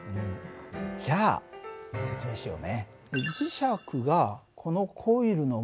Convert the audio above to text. じゃあ説明しようね。